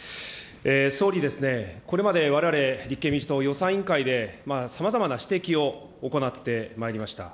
総理、これまでわれわれ立憲民主党、予算委員会でさまざまな指摘を行ってまいりました。